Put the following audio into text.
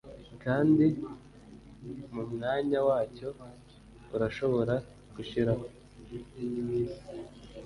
Kandi mu mwanya wacyo urashobora gushiraho